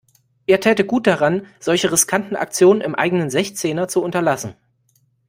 Er täte gut daran, solche riskanten Aktionen im eigenen Sechzehner zu unterlassen.